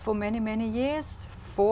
ở đằng sau